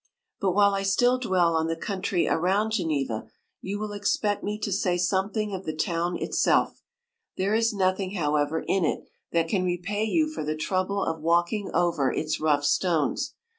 But while I still dwell on the country around Geneva, you will expect me to say something of the tow T n itself: there is nothing, however, in it that can 101 repay you for the trouble of walking over its rough stones.